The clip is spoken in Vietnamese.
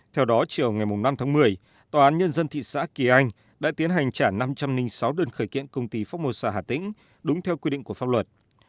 theo đó chiều ngày năm tháng một mươi tòa án nhân dân thị xã kỳ anh đã tiến hành trả năm trăm linh sáu đơn khởi kiện công ty pháp mô sợ hà tĩnh đúng theo quy định của pháp luật